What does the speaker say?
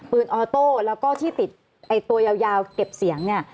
ออโต้แล้วก็ที่ติดตัวยาวเก็บเสียงเนี่ย